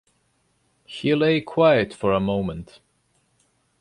He lay quiet for a moment.